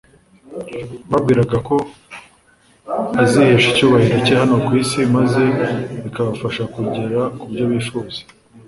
bibwiraga ko azihesha icyubahiro cye hano ku isi, maze bikabafasha kugera ku byo bifuzaga